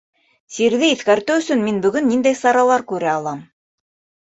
Сирҙе иҫкәртеү өсөн мин бөгөн ниндәй саралар күрә алам?